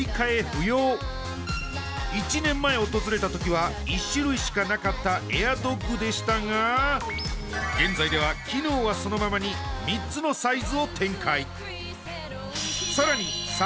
不要１年前訪れた時は１種類しかなかったＡｉｒｄｏｇでしたが現在では機能はそのままに３つのサイズを展開